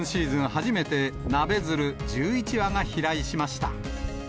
初めてナベヅル１１羽が飛来しました。